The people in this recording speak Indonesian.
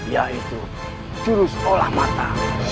yaitu jenis olah mata